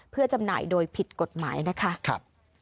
เพื่อจำหน่ายโดยผิดกฎหมายนะคะ